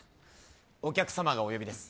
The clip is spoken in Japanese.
お客様がお呼びです。